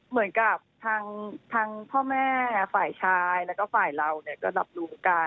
เหมือนกับทางพ่อแม่ฝ่ายชายแล้วก็ฝ่ายเราเนี่ยก็รับรู้กัน